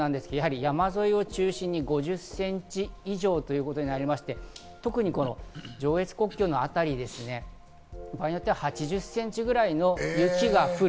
山沿いを中心に５０ｃｍ以上ということになりまして、特に上越国境のあたり、場合によっては８０ｃｍぐらいの雪が降る。